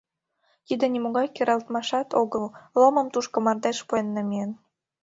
Тиде нимогай керылтмашат огыл — Ломым тушко мардеж пуэн намиен.